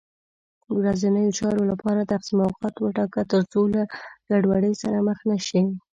ورځنیو چارو لپاره تقسیم اوقات وټاکه، تر څو له ګډوډۍ سره مخ نه شې